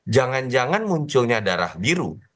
jangan jangan munculnya darah biru